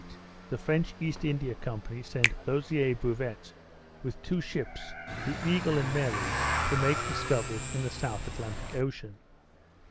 In 1738, the French East India Company sent Lozier Bouvet with two ships, the Eagle and Mary, to make discoveries in the South Atlantic Ocean.